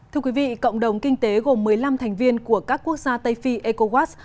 thưa quý vị cộng đồng kinh tế gồm một mươi năm thành viên của các quốc gia tây phi ecowas